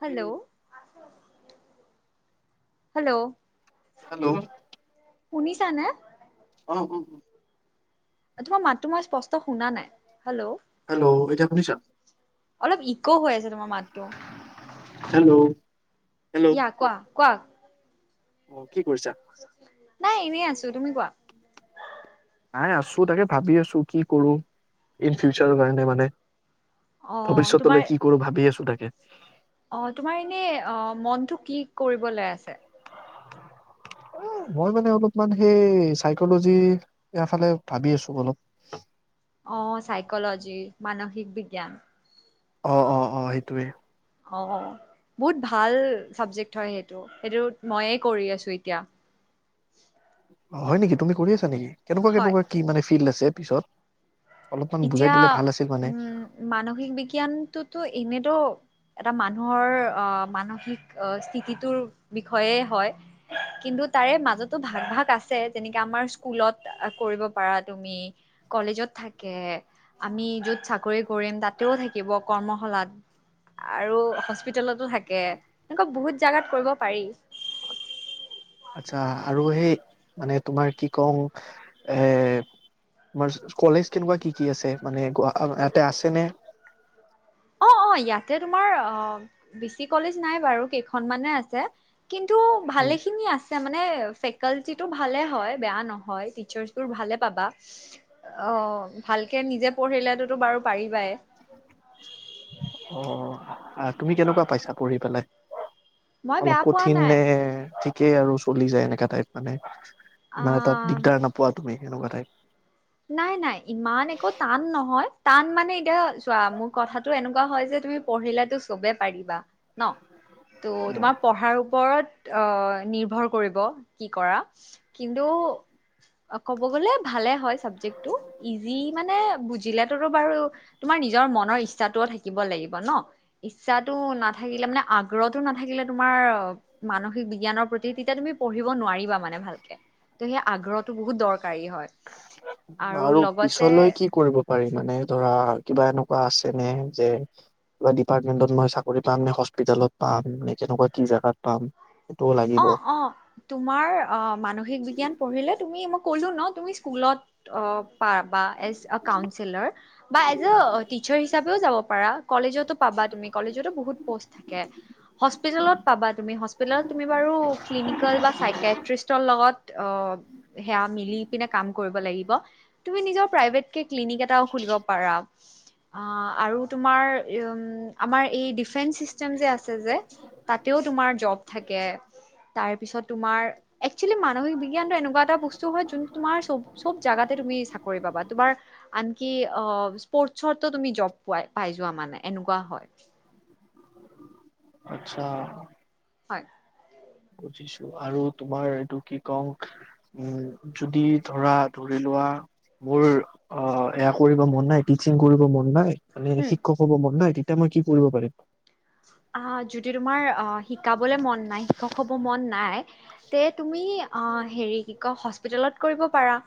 Hello, ' hello, hello, শুনিছানে? অ-অ-অ তোমাৰ মাতো মই স্পষ্ট শুনা নাই। হেল্ল', হেল্ল', এতিয়া শুনিছা? অলপ ইক' হৈ আছে তোমাৰ মাতটো। হেল্ল', হেল্ল' ইয়া কোৱা, কোৱা। অ, কি কৰিছা- নাই এনেই আছো তুমি কোৱা। নাই আছো তাকে ভাবি আছো কি কৰো ইন ফিউচাৰৰ কাৰণে মানে। অ' তোমাৰ ভৱিষ্যতলৈ কি কৰো ভাবি আছো তাকে। অ, তোমাৰ এনে অ, মনটো কি কৰিবলে আছে? [unintelligible] অ, মই মানে অলপমান সেই চাইকলজি এৰিয়া ফালে ভাবি আছো অলপ। অ, চাইকলজি, মানসিক বিজ্ঞান। অ-অ-অ সেইটোৱে। অ, বহুত ভাল চাবজেক্ট হয় সেইটো সেইটোত মইয়ে কৰি আছো এতিয়া। হয় নেকি, তুমি কৰি আছা নেকি? হয়। কেনেকুৱা-কেনেকুৱা কি মানে ফিল্ড আছে পিছত? অলপমান এতিয়া বুজাই দিলে ভাল আছিল মানে। উম মানসিক বিজ্ঞানটোতো এনেতো এটা মানুহৰ আহ মানসিক স্থিতিটোৰ বিষয়ে হয়। কিন্তু তাৰে মাজতো ভাগ-ভাগ আছে যেনেকে আমাৰ স্কুলত কৰিব পাৰা তুমি। কলেজত থাকে আমি যত চাকৰি কৰিম তাতেও থাকিব কৰ্মশালাত। আৰু হস্পিতেলতো থাকে এনেকুৱা বহুত জেগাত কৰিব পাৰি। আচ্ছা আৰু সেই মানে তোমাৰ কি কওঁ? এ, তোমাৰ কলেজ কেনেকুৱা কি কি আছে মানে ইয়াতে আছেনে? অ-অ ইয়াতে তোমাৰ অ, বেছি কলেজ নাই বাৰু কেইখনমানাহে আছে। কিন্তু ভালেখিনি আছে। মানে ফেকালটিটো ভালে হয় বেয়া নহয় টিচাৰ্চবোৰ ভালে পাবা। অ ভালকে নিজে পঢ়িলেতোতো বাৰু পাৰিবাই। অ তুমি কেনেকুৱা পাইছা পঢ়ি পেলাই। মই অলপ বেয়া পোৱা কঠিন নাই নে ঠিকেই আৰু চলি যায় এনেককা টাইপ মানে। অ ইমান এতা দিগদাৰ নাপোৱা তুমি এনেকুৱা টাইপ। নাই নাই ইমান একো টান নহয় টান মানে এতিয়া চোৱা মোৰ কথাটো এনেকুৱা হয় যে তুমি পঢ়িলেতো চবে পাৰিবা ন ত তোমাৰ পঢ়াৰ ওপৰত অহ নিৰ্ভৰ কৰিব কি কৰা কিন্তু অ কব গলে ভালে হয় চাবজেক্টটো ইজি। মানে বুজিলেতো বাৰু তোমাৰ নিজৰ মনৰ ইচ্ছাটোও থাকিব লাগিব ন। ইচ্ছাতো নাথাকিলে মানে আগ্ৰহটো নাথাকিলে তোমাৰ মানসিক বিজ্ঞানৰ প্ৰতি তেতিয়া তুমি পঢ়িব নোৱাৰিবা মানে ভালকে। ত সেই আগ্ৰহটো বহুত দৰকাৰী হয়। আৰু পিছলৈ কি কৰিব। পাৰি মানে ধৰা কিবা এনেকুৱা আছে নে যে কিবা ডিপাৰ্টমেণ্টত মই চাকৰি পাম নে হস্পিটেলত পাম নে কেনেকুৱা কি জেগাত পাম, সেইটোও লাগিব। অ অ, তোমাৰ আহ মানসিক বিজ্ঞান পঢ়িলে তুমি মই কলো ন তুমি স্কুলত অ পাবা এজ আ কাউনচিলাৰ বা এজ আ টিচাৰ হিচাপেও যাব পাৰা। কলেজটো পাবা তুমি কলেজটো বহুত পোষ্ট থাকে হস্পিতালত পাবা তুমি হস্পিতালত তুমি বাৰু ক্লিনিকেল বা চাইকেট্ৰিষ্টৰ লগত অ সেয়া মিলি পিনে কাম কৰিব লাগিব তুমি নিজৰ প্ৰাইভেট ক্লিনিক এটাও খুলিব পাৰা। অ আৰু তোমাৰ উম আমাৰ এই ডিফেন্স চিষ্টেম যে আছে যে তাতেও তোমাৰ জব থাকে তাৰ পিছত তোমাৰ একচুৱেলি মানসিক বিজ্ঞানটো এনেকুৱা এটা বস্তু হয় যোনটো তোমাৰ চব জেগাতে তুমি চাকৰি পাবা তোমাৰ আনকি অ স্পৰ্টচৰ তুমি জব পাই যোৱা মানে এনেকুৱা হয়। আচ্ছা। হয়। বুজিছো আৰু তোমাৰ এইটো কি কম উম যদি ধৰা ধৰি লোৱা মোৰ অ এয়া কৰিব মন নাই টিচিং কৰিব মন নাই। মানে উম শিক্ষক হ'ব মন নাই তেতিয়া মই কি কৰিব পাৰিম। অ যদি তোমাৰ শিকাবলে মন নাই শিক্ষক হ'ব মন নাই তে তুমি অ হেৰি কি কয় হস্পিতেলত কৰিব পাৰা।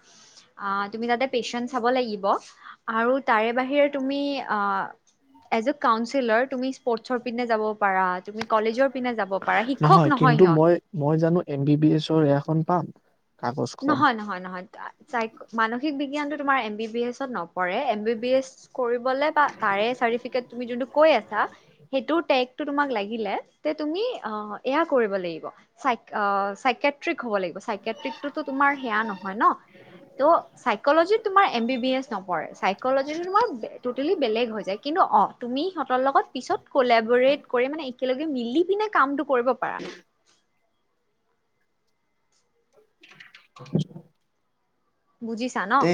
আহ তুমি তাতে পেচেণ্ট চাব লাগিব আৰু তাৰে বাহিৰে তুমি আহ এজ এ কাউন্সিলৰ তুমি স্পৰ ছৰ পিনে যাব পাৰা তুমি কলেজৰ পিনে যাব পাৰা শিক্ষক কিন্তু নহয় সিহত। মই মই জানো এম বি বি এছৰ এয়াখন পাম। কাগজখন নহয় নহয় নহয় মানসিক বিজ্ঞানটো তোমাৰ এম বি বি এছত নপৰে এম বি বি এছ কৰিবলে বা তাৰে চাৰিফিকেট তুমি যোনটো কৈ আছা সেইটোৰ টেগটো তোমাক লাগিলে তে তুমি অ এয়া কৰিব লাগিব। চা অ চাইকেট্ৰিক হ'ব লাগিব চাইকেট্ৰিকতো তোমাৰ সেয়া নহয় ন ত চাইকোলজিত তোমাৰ এম বি বি এচ নপৰে চাইকোলজি তো তোমাৰ বেলেগ হৈ যায়। কিন্তু অঁ, তুমি সিহঁতৰ লগত পিছত কোলেবেৰেট কৰি মানে- একেলগে মিলি পিনে কামটো কৰিব পাৰা। [unintelligible] বুজিছ? তে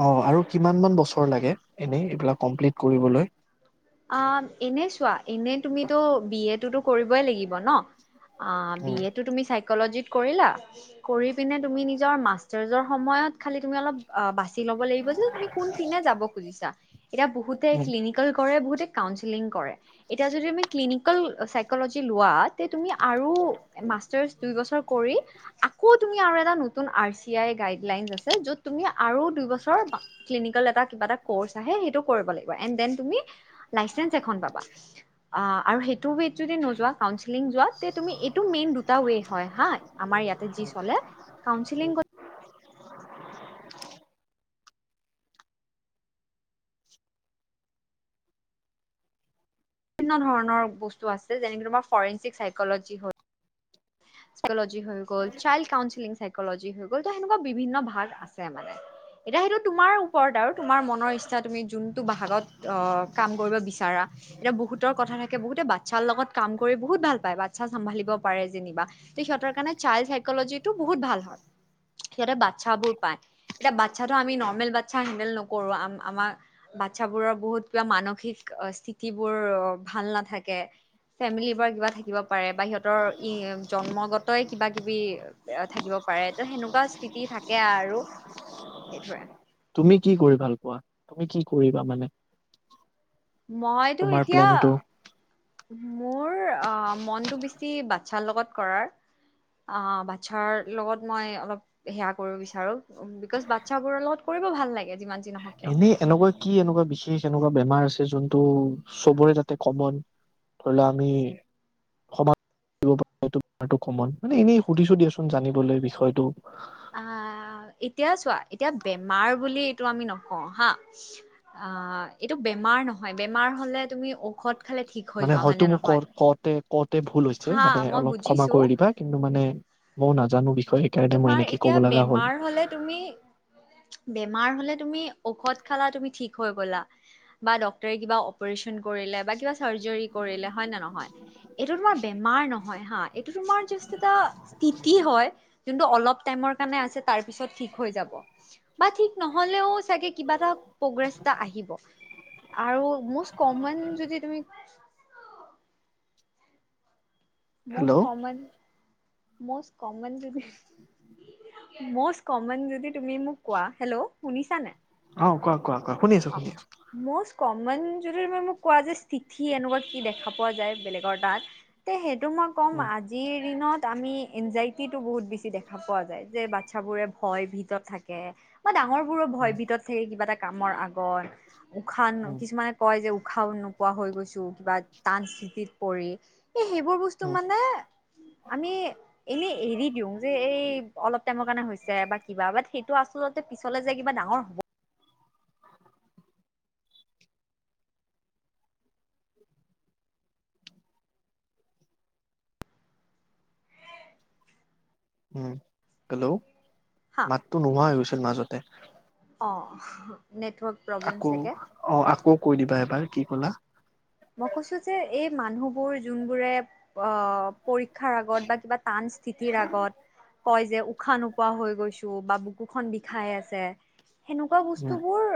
অঁ আৰু কিমান মান বছৰ লাগে এনেই এইবিলাক কমপ্লিট কৰিবলৈ? অঁ, এনে চোৱা, এনে তুমিতো বি এ তোতো কৰিবই লাগিব ন। অঁ বি উম এ- তুমি চাইকোলজিত কৰিলা, কৰি পিনে তুমি নিজৰ মাষ্টাৰ্চৰ সময়ত খালি অলপ- অঁ, বাছি ল'ব লাগিব যে তুমি কোনপিনে যাব খুজিছা। এতিয়া বহুতে উম ক্লিনিকেল- কৰে, বহুতে কাউন্সিলিং কৰে। এতিয়া যদি তুমি ক্লিনিকেল চাইকোলজি লোৱা তে তুমি- আৰু মাষ্টাৰছ দুই বছৰ কৰি- আকৌ তুমি আৰু এটা নতুন আৰ চি আই গাইডলাইন আছে যত তুমি আৰু দুইবছৰ- ক্লিনিকেল এটা কিবা এটা কৰ্চ আহে, সেইটো কৰিব লাগিব এণ্ড ডেন তুমি লাইচেঞ্ছ এখন পাবা। আৰু সেইটো ৱেত যদি নোযোৱা, কাউন্সিলিং যোৱা তে তুমি এইটো মেইন ৰো- টা ৱে হয় হা, আমাৰ ইয়াতে যি চলে। কাউন্সিলিং গ- বিভিন্ন ধৰণৰ বস্তু আছে। যেনেকে তোমাৰ ফৰেনঞ্চিক চাইক'ল'জি হ'ল, - চাইক'ল'জি হৈ গ'ল, চাইল্ড কাউন্সিলিং হৈ গ'ল ত' তেনেকুৱা বিভিন্ন ভাগ আছে মানে। এতিয়া সেইটো তোমাৰ ওপৰত আৰু তোমাৰ মনৰ ইচ্ছা তুমি যোনটো ভাগত অঁ, কাম কৰিব বিচাৰা। এতিয়া বহুতৰ কথা থাকে বহুতে বাচ্ছাৰ লগত কাম কৰি বহুত ভাল পায়, বাচ্ছা চম্ভালিব পাৰে যেনিবা। তে সিহঁতৰ কাৰণে চাইল্ড চাইকলজি টো বহুত ভাল হয়, সিহঁতে বাচ্ছাবোৰ পায়। এতিয়া বাচ্ছাটো আমি নৰ্মেল বাচ্ছা হেণ্ডেল নকৰো। আমাৰ- বাচ্ছাবোৰৰ বহুত কিবা মানসিক স্থিতিবোৰ ভাল নাথাকে। ফেমিলিৰ পৰা কিবা থাকিব পাৰে বা সিহঁতৰ ই- জন্মগতই কিবা কিবি এ থাকিব পাৰে। ত সেনেকুৱা স্থিতি থাকে আৰু। সেইটোৱে। তুমি কি কৰি ভাল পোৱা, তুমি কি কৰিবা মানে? মইতো তোমাৰ এতিয়া- প্লেনটো মোৰ অঁ, মনটো বেছি বাচ্ছাৰ লগত কৰাৰ। অঁ, বাচ্ছাৰ লগত মই অলপ- সেয়া কৰিব বিচাৰো। বিকজ বাচ্ছা বোৰৰ লগত কৰিব ভাল লাগে যিমান- যি নহওক কিয় এনেই এনেকুৱা কি এনেকুৱা বিশেষ এনেকুৱা বেমাৰ আছে যোনটো চবৰে তাতে কমন? ধৰি লও আমি সমাজ- [unintelligible] কমন মানে এনেই সুধিছো দিয়াচোন জানিবলৈ বিষয়টো। আহ, এতিয়া চোৱা এতিয়া বেমাৰ বুলি এইটো আমি নকওঁ হা। আ, এইটো বেমাৰ নহয়। বেমাৰ হলে তুমি ঔষধ- খালে ঠিক হৈ মানে যোৱা হয় হয়তো নে মোক ক নহয় কতে কতে ভুল হৈছে হা মানে মই অলপ ক্ষমা বুজিছো কৰি দিবা। কিন্তু মানে মই নাজানো বিষয়ে, সেইকাৰণে মই তোমাৰ এনেকে কব এতিয়া লগা হ'ল। বেমাৰ হলে তুমি বেমাৰ হলে তুমি ঔষধ খালা তুমি ঠিক হৈ গলা- বা ডক্তৰে কিবা অপাৰেশ্যন কৰিলে বা কিবা চাৰ্জাৰী কৰিলে, হয় নে নহয়? এইটো তোমাৰ বেমাৰ নহয় হা, এইটো তোমাৰ জাষ্ট এটা স্থিতি হয়। যোনটো অলপ টাইমৰ কাৰণে আছে তাৰপিছত ঠিক হৈ যাব। বা ঠিক নহলেও চাগে কিবা এটা- প্ৰগেৰেছ এটা আহিব আৰু মষ্ট কমন যদি তুমি- hello most common, most common যদি- মষ্ট কমন যদি তুমি মোক কোৱা, হেল্ল', শুনিছা নাই? অঁ, কোৱা কোৱা কোৱা শুনি আছো শুনি আছো। মষ্ট কমন যদি তুমি মোক কোৱা যে স্থিতি এনেকুৱা কি দেখা পোৱা যায় বেলেগৰ তাত। তে সেইটো মই কম উম আজিৰ দিনত, আমি এনজাইটি বহুত বেছি দেখা পোৱা যায় যে বাচ্ছাবোৰে ভয় ভিতৰত থাকে, বা ডাঙৰবোৰৰ ভয় উম ভিতৰত থাকে কিবা এটা কামৰ আগত, উশাহ উম কিছুমান কয় যে উশাহ নোপোৱা হৈ গৈছো কিবা টান স্থিতিত পৰি, এই সেইবোৰ ব স্তু উম মানে আমি এনেই এৰি দিওঁ, যে এই অলপ টাইমৰ কাৰণে হৈছে বা কিবা বাট সেইটো আচল তে পিছলে যাই কিবা ডাঙৰ হ'ব, উম, হেল্ল' হা মাতটো নোহোৱা হৈ গৈছিল মাজতে। অঁ নেটৱৰ্ক, প্ৰব্লেম আকৌ চাগে। অঁ আকৌ কৈ দিবা এবাৰ কি ক'লা। মই কৈছো যে এই মানুহবোৰ যোনবোৰে অঁহ পৰীক্ষাৰ আগত বা কিবা টান স্থিতিৰ আগত, কয় যে উশাহ নোপোৱা হৈ গৈছো বা বুকুখন বিষাই আছে। সেনেকুৱা বস্তু উম বোৰ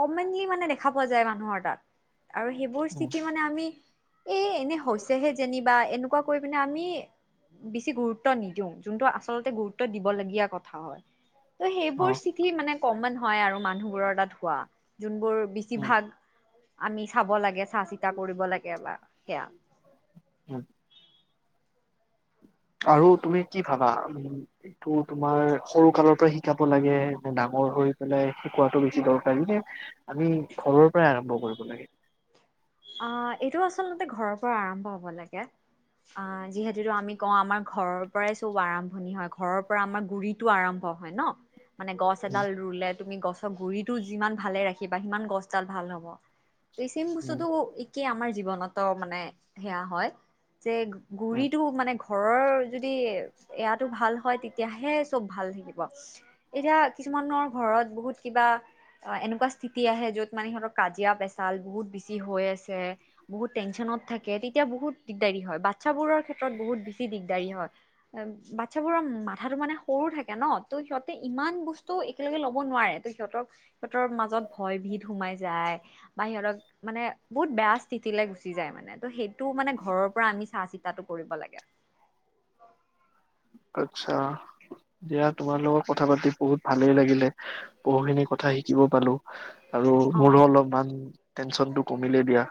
কমেনলি মানে দেখা পোৱা যায় মানুহৰ তাত আৰু সেইবোৰ উম ইস্থিতি সেইমানে আমি এ এনে হৈছেহে যেনিবা এনেকুৱা কৰি পিনে আমি বেছি গুৰুত্ব নিদিও যোনটো আচলতে গুৰুত্ব দিব লগগীয়া কথা হয়। ত' অ সেইবোৰ স্থিতি মানে কমন হয় আৰু মানুহবোৰৰ তাত হোৱা যোনবোৰ। উম বেছিভাগ আমি চাব লাগে চাহ চিতা কৰিব লাগে বা সেয়া। উম। আৰু তুমি কি ভাবা? এইটো তোমাৰ সৰু কালৰ পৰা শিকাব লা, গে ডাঙৰ হৈ পেলাই শিকোৱাতটো বেছি দৰকাৰী নে আমি ঘৰৰ পৰাই আৰম্ভ কৰিব লাগে। অঁ, এইটো আচলতে ঘৰৰ পৰা আৰম্ভ হব লাগে। আঁ যিহেতু আমি কওঁ আমাৰ ঘৰৰ পৰাই চব আৰম্ভণি হয় ঘৰৰ পৰা আমাৰ গুৰি টো আৰাম্ভ হয় ন, মানে গছ উম এডাল ৰুলে তুমি গছৰ গুৰিতটো যিমান ভালে ৰাখিবা, সিমান গছ তাত ভাল হব। ত চেইম উম বস্তুতটো একেই আমাৰ জীৱনতো মানে সেয়া হয় যে উম গুৰিতটো মানে ঘৰৰ যদি এয়া ভাল হয় তেতিয়াহে চব ভাল থাকিব। এতিয়া কিছুমানৰ ঘৰত বহুত কিবা অঁ, এনেকুৱা স্থিতি আহে য'ত মানে ধৰক কাজিয়া পেচাল বহুত বে ছি হৈ আছে, বহুত টেনচনত থাকে তেতিয়া বহুত দিগদাৰি হয়, বা চ্ছাবোৰৰ ক্ষেত্ৰত বহুত বেছি দিগদাৰী হয়। বাচ্ছাবোৰৰ মাথাটো মানে সৰু থাকে ন, ত' সিহঁতে ইমান বস্তু একগে লব নোৱাৰে, ত সিহঁতক সিহঁতৰ মাজত ভয় ভিত সোমাই যায় বা সিহঁতক মানে বহুত বেয়া স্থিতিলেলৈ গুচি যায় মানে, ত সেইটো মানে ঘৰৰ পৰা আমি চা চি তাতো কৰিব লাগে। আচ্ছা। দিয়া তোমাৰ লগত কথা পাতি বহুত ভালেই লাগিলে বহু খিনি কথা শিকিব পালো। আৰু অ মোৰো অলপমান টেনশ্যনটো কমিলেই দিয়া।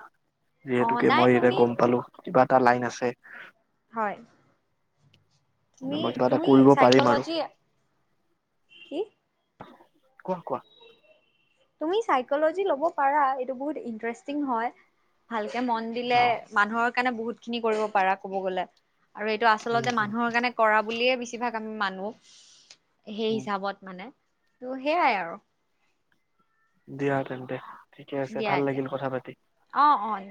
অ যিহেতুকে নাই মই এতিয়া তুমি গম পালো কিবা এটা লাইন আছে। হয়। তুমি ম মই কিবা এটা তুমি কৰিব পাৰিম আৰু, চাইকলজি কি কোৱা কোৱা তুমি চইক্সলজি লব পাৰা এইটো বৰ ইষ্টাৰেটিং হয়। ভালকে মন দিলে অ মানুহৰ কাৰণে বহুত খিনি কৰিব পাৰা কব গলে, আৰু এইটো উম আচলতে উম মানুহৰ কাৰণে কৰা বুলিয়ে বেছিভাগ আমি মানো সেই উম হিচাপত মানে, ত সেইয়াই আৰু। দিয়া তেন্তে ঠিকে আছে ভাল লাগিল কথা পাতি। অঁ অঁ।